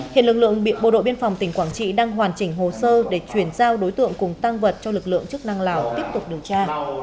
hiện lực lượng bộ đội biên phòng tỉnh quảng trị đang hoàn chỉnh hồ sơ để chuyển giao đối tượng cùng tăng vật cho lực lượng chức năng lào tiếp tục điều tra